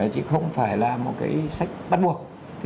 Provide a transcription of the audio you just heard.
chứ không phải là một cái sách bắt buộc